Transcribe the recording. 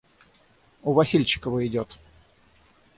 У Васильчикова идет.